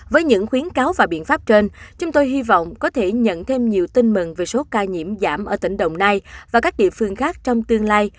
với những khuyến cáo và biện pháp trên chúng tôi hy vọng có thể nhận thêm nhiều tin mừng về số ca nhiễm giảm ở tỉnh đồng nai và các địa phương khác trong tương lai